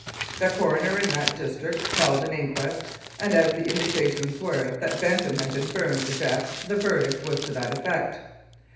"The coroner in that district held an inquest, and as the indications were that Benson Fad been burned to death, the verdict was to that effect.